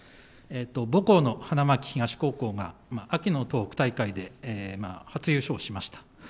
母校の花巻東高校が、秋の東北大会で初優勝しました。